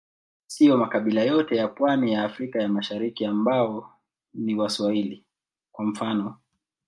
Siyo makabila yote ya pwani ya Afrika ya Mashariki ambao ni Waswahili, kwa mfano.